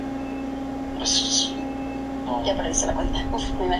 Se lo denomina al conjunto de cosechas.